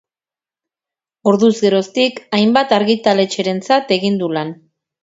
Orduz geroztik, hainbat argitaletxerentzat egin du lan.